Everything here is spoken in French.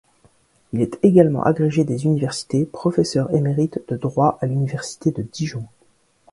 Il est également agrégé des universités, professeur émérite de droit à l'Université de Dijon.